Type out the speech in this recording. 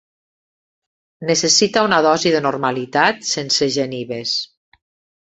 Necessita una dosi de normalitat sense genives.